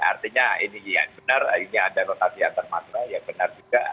artinya ini yang benar ini ada rotasi antarmatra yang benar juga